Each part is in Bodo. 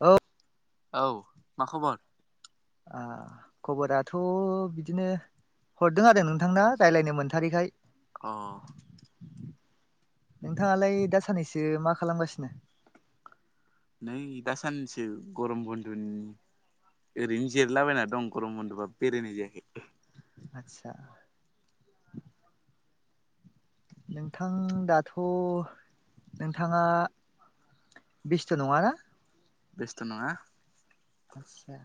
औ औ आ खबराथ' अ नोंथाङालाय दासाननैसो मा नै दासानसो गरम बन्दुनि ओरैनो जिरलाबायना दं गरम बन्द'बा बेरायनाय जायाखै आचसा नोंथां दाथ' नोंथाङा बिस्थ' नङाना? बेस्तनोङा आतसा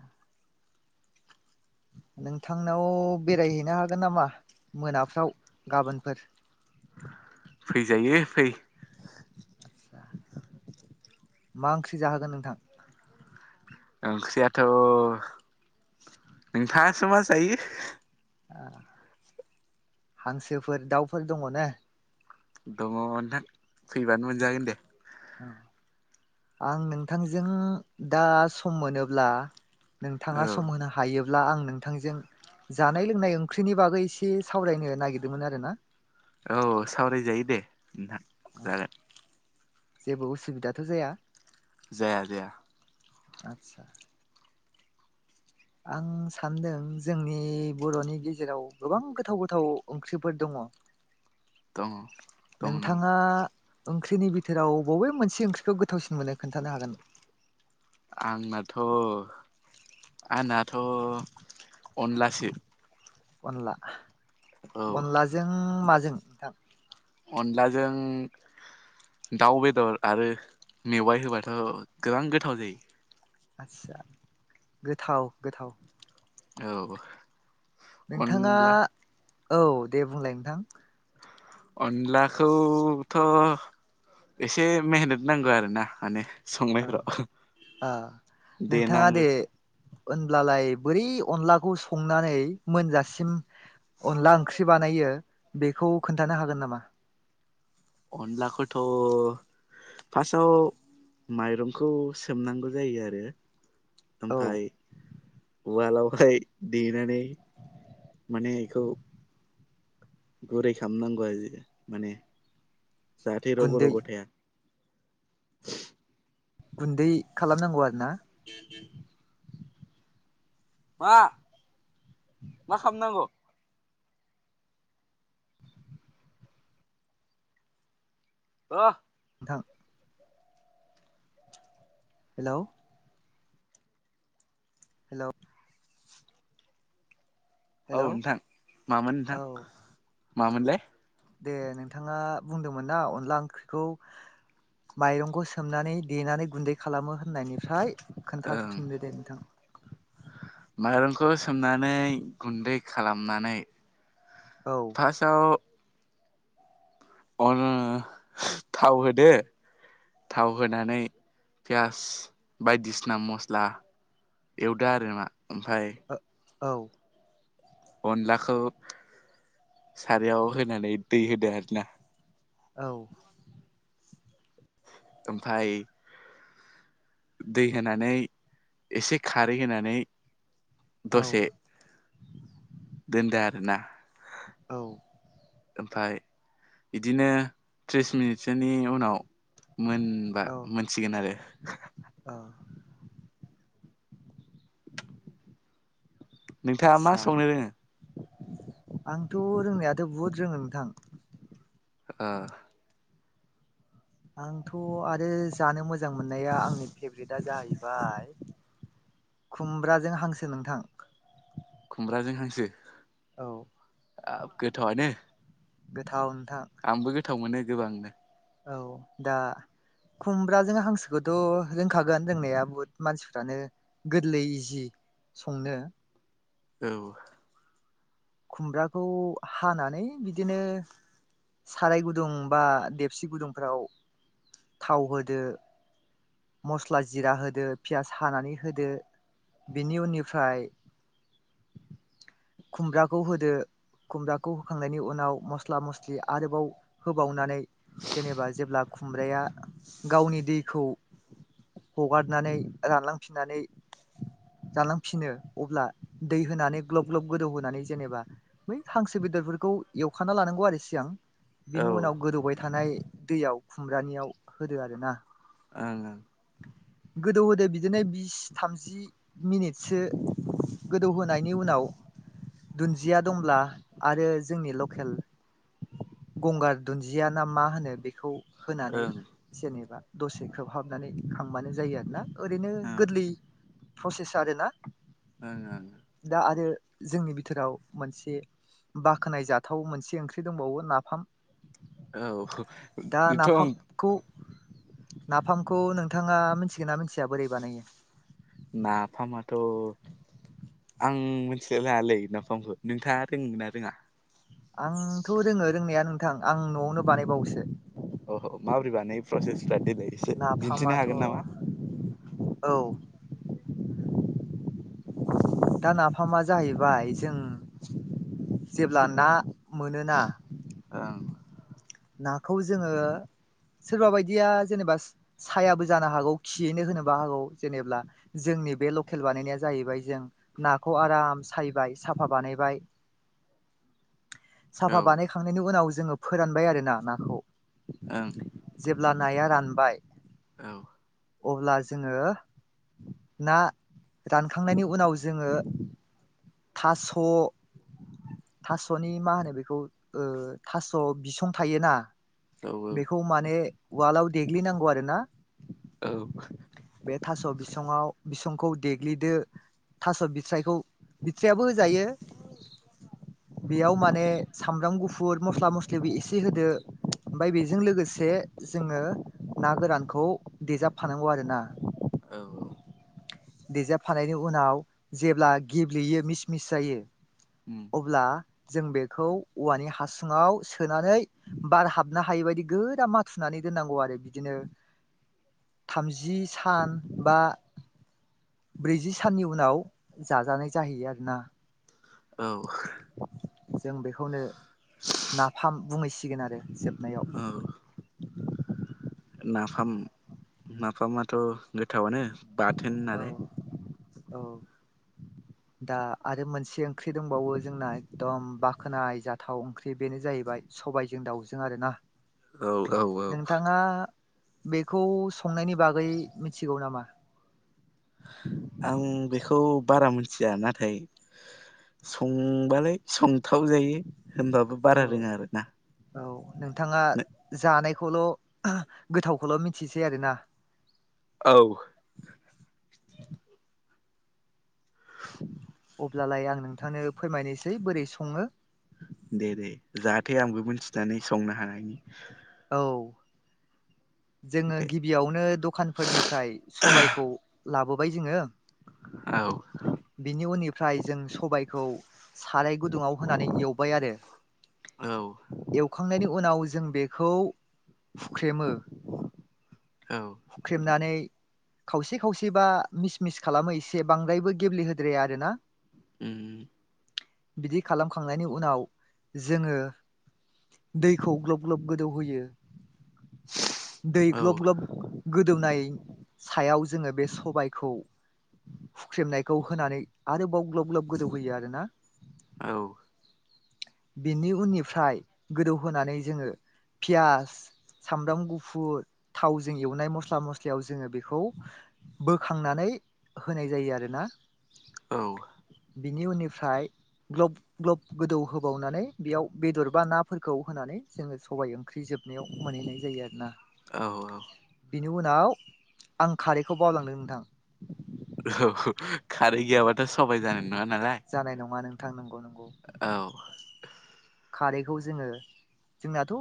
नोंथांनाव बेरायहैनो हागोन नामा फैजायो फै आतसा मा ओंख्रि जाहोगोन नोंथां ओंख्रियाथ' नोंथाङासो मा जायो हांसोफोर दाउफोर दङ ने दङ नोंथां फैबानो मोनजागोन दे। आं नोंथांजों दा सम मोनोब्ला औ नोंथाङा सम होनो हायो अब्ला आं नोंथांजों जानाय लोंनाय ओंख्रिनि बागै एसे सावरायनो नागिरदोंमोन आरो ना औ सावरायजायो दे नोंथां जागोन। जेबो उसुबिदाथ' जाया? जाया जाया आतसा आं सानदों जोंनि बर'नि गेजेराव गोबां गोथाव गोथाव ओंख्रिफोर दङ। दङ दं दं नोंथाङा ओंख्रिनि बिथोराव बबे मोनसे ओंख्रिखौ गोथावसिन मोनो खोन्थानो हागोन? आंनाथ' [inaudible] अनला औ अनलाजों अनलाजों दाउ बेदर आरो मेवाइ होबाथ' गोबां गोथाव आसा गोथाव गोथाव औ नोंथाङा अनला औ दे बुंलाय नोंथां अनलाखौथ' संनायफ्राव औ नोंथाङा देनांगौ दे होनब्लालाय बोरै अनलाखौ संनानै मोनजासिम अनला ओंख्रि बानायो अनलाखौथ' पासाआव माइरंखौ सोमनांगौ जायो आरो औ ओमफाय उवालाव फाय देनानै माने एखौ गुरै खामनांगौ आरोजि माने जाहाथे रग' गुन्दै रग' थाया [unintelligible] गुन्दै खालामनांगौ [unintelligible] मा मा खामनांगौ ओ थां हेलौ हेलौ हेलौ नोंथां मामोन नोंथां औ औ मामोनलाय दे नोंथाङा बुंदोंमोन ना अनला ओंख्रिखौ माइरंखौ सोमनानै देनानै गुन्दै खालामो होननायनिफ्राय ओं खोन्थाफिनदो दे नोंथां माइरंखौ सोमनानै गुन्दै खालामनानै औ थासयाव अन थाव होदो थाव होनानै पियास बायदिसिना मस्ला एवदा आरो मा ओमफाय औ औ अनलाखौ सारायाव होनानै दै होदो आरो ना औ ओमफाय दै होनानै एसे खारै होनानै औ दसे दोनदो आरो ना औ ओमफाय इदिनो थ्रिस मिनिटसोनि उनाव मोनबा मोनसिगोन आरो अ नोंथाङा मा आदसा संनो रोङो आंथ' रोंनायाथ' बुहुद रोङो नोंथां आ आंथ' आरो जानो मोजां मोननाया आंनि फेभ्रेटआ जाहैबाय खुमब्राजों हांसो नोंथां खुमब्राजों हांसो औ आ गोथावानो गोथाव नोंथां आंबो गोथाव मोनो गोबांनो औ दा खुमब्राजों हांसोखौथ' रोंखागोन रोंनाया बहुत मानसिफ्रानो गोरलै इजि संनो औ खुमब्राखौ हानानै बिदिनो साराय गुदुं बा देबसि गुदुंफ्राव थाव होदो मस्ला जिरा होदो पियास हानानै होदो बेनि उननिफ्राय खुमब्राखौ होदो खुमब्राखौ होखांनायनि उनाव मस्ला मस्लि आरोबाव होबावनानै जेनेबा जेब्ला खुमब्राया गावनि दैखौ हगारनानै रानलांफिननानै जालांफिनो अब्ला दै होनानै ग्लब ग्लब गोदौहोनानै जेनेबा बै हांसो बेदरफोरखौ एवखाना लानांगौ आरो सिगां औ बेनि ओं उनाव गोदौबाय थानाय दैयाव खुमब्रानियाव होदो आर ना आं गोदौ होदो बिदिनो बिस थामजि मिनिटसो गोदौ होनायनि उनाव नाव दुन्जिया दंब्ला आरो जोंनि लकेल गंगार दुन्जिया ना मा होनो बेखौ होनानै ओं जेनेबा दसे खोबहाबनानै खांबानो जायो आरोना ओरैनो ओं गोरलै प्रसेस आरोना ओ दा आरो जोंनि बिथोराव मोनसे बाखोनाय जाथाव मोनसे ओंख्रि दंबावो नाफाम दा औ नाफामखौ बेथ' नाफामखौ नोंथाङा मिथिगोन ना मिथिया बोरै बानायो नाफामाथ' आं मोनथिलाय लांयालै नाफामखौ नोंथाङा रोङो ना रोङा आंथ' रोङो रोंनाया नोंथां आं न'आवनो बानायबावोसो अ माबोरै बानायो प्रसेस दिनै से दिन्थिनो नाफामाथ' हागोन नामा औ दा नाफामा जाहैबाय जों जेब्ला ना मोनोना ओं नाखौ जोङो सोरबा बायदिया जेनेबा सायाबो जानो हागौ खियैनो होनोबो हागौ जेनेबा जों जोंनि बे लकेल बानायनाया जाहैबाय जों नाखौ आराम सायबाय साफा बानायबाय ओं साफा औ बानायखांनायनि उनाव जोङो फोरानबाय आरोना नाखौ ओं जेब्ला नाया रानबाय औ अब्ला जोङो ना रानखांनायनि उनाव जोङो थास' थास'नि मा होनो बेखौ ओ थास' बिसं थायोना औ बेखौ माने उवालाव देग्लिनांगौ आरो ना औ बे थास' बिसङाव बिसंखौ देग्लिदो थास' बिस्रायखौ बिथ्रियाबो होजायो बेयाव माने सामब्राम गुफुर मस -स्ला मस्लिबो एसे होदो ओमफफ्राय बेजों लोगोसे जोङो ना गोरानखौ देजाबफानांगौ आरोना औ औ देजाबफानायनायनि उनाव जेब्ला गेब्लेयो मिस मिस जायो उम अब्ला जों बेखौ औवानि हासुङाव सोनानै बार हाबनो हायि बायदि गोरा माथुनानै दोननांगौ आरो बिदिनो थामजि सान बा ब्रैजि साननि उनाव जाजानाय जाहैयो आरोना औ जों बेखौनो नाफाम बुंहैसिगोन आरो जोबनायाव औ [unintelligible] नाफाम नाफामाथ' गोथावनो बाथोन औ नालाय औ दा आरो मोनसे ओंख्रि दंबावो जोंना एखदम बाखोनाय जाथाव ओंख्रि बेनो जाहैबाय सबायजों दाउजों आरोना औ औ औ नोंथाङा बेखौ संनायनि बागै मिथिगौ नामा आं बेखौ बारा मोन थिया नाथाय संबालाय संथाव जायो। होमबाबो औ बारा रोङा आरो ना। औ नोंथाङा जानायखौल' गोथावखौल' मिथिसै आरोना औ अब्लालाय आं नोंथांनो फोरमायनोसै बोरै सङो दे दे जाहाथे आंबो मिथिनानै संनो हानायनि औ जोङो दे गिबियावनो दखानफोरनिफ्राय सबायखौ लाबोबाय जोङो औ बिनि उननिफ्राय जों सबायखौ साराय गुदुङाव होनानै एवबाय आरो औ एवखांनायनि उनाव जों बेखौ हुख्रेमो औ हुख्रेमनानै खावसे खावसेबा मिस मिस खालामो एसे बांद्रायबो गेब्लेहोद्राया आरोना उम बिदि खालामखांनायनि उनाव जोङो दैखौ ग्लब ग्लब गोदौहोयो दै औ ग्लब ग्लब गोदौनाय सायाव जोङो बे सबायखौ हुख्रेमनायखौ होनानै आरोबाव ग्लब ग्लब गोदौहोयो आरोना औ बेनि उननिफ्राय गोदौहोनानै जोङो पियास सामब्राम गुफुर थावजों एवनाय मस्ला मस्लियाव जोङो बेखौ बोखांनानै होनाय जायो आरोना औ बिनि उननिफ्राय ग्लब ग्लब गोदौ हो बावनानै बेयाव बेदर बा नाफोरखौ होनानै जोङो सबाइ ओं ख्रि जोबनायाव मोनहैनाय जायो आरोना औ बे नि उनाव आं खारैखौ बावलांदों नोंथां। औ खारै गैयाबाथ' सबाय [unintelligible] जानाय नङा नोंथां नंगौ नों औ खारैखौ जोङो जोंनाथ'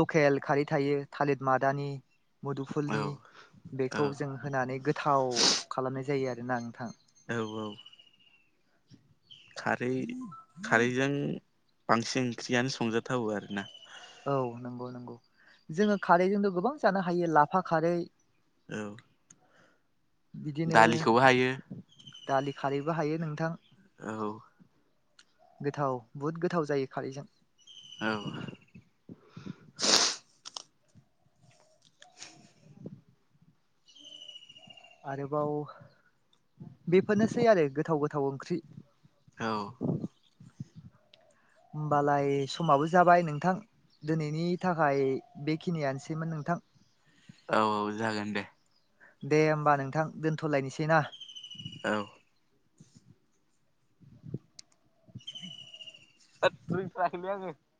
लकेल खारै थायो थालिर मादानि औ मुदुफुलनि औ बेखौ जों होनानै गोथाव खालामनाय जायो आरोना नोंथां औ औ खारै खारैजों बांसिन ओंख्रियानो संजाथावो आरोना औ नंगौ नंगौ जोङो खारैजोंनो गोबां जानो हायो लाफा खारै औ बिदिनो दालिखौबो हायो दालि खारैबो हायो नोंथां औ गोथाव बहुद गोथाव जायो खारैजों औ आरोबाव बेफोरनोसै आरो गोथाव गोथाव ओंख्रि औ होमबालाय समाबो जाबाय नों थां दिनैनि थाखाय बेखिनियानोसैमोन नोंथां औ औ जागोन दे दे होमबा नोंथां दोनथ'लायनोसै ना औ [unintelligible]